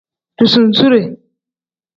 Duzusuure.